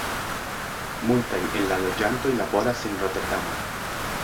Multaj el la loĝantoj laboras en Roterdamo.